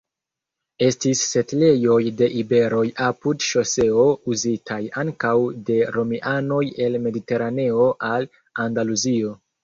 Estis setlejoj de iberoj apud ŝoseo uzitaj ankaŭ de romianoj el Mediteraneo al Andaluzio.